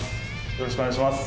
よろしくお願いします。